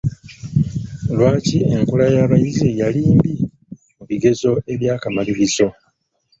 Lwaki enkola y'abayizi yali mbi mu bigezo eby'akamalirizo?